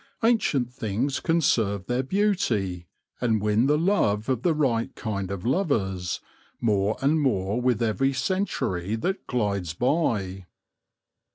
Ancient things conserve their beauty, and win the love of the right kind of lovers, more and more with every century that glides by.